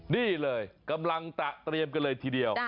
นี่เลยกำลังตะเตรียมกันเลยทีเดียว